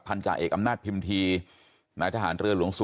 จ่าเอกอำนาจพิมพีนายทหารเรือหลวงสุ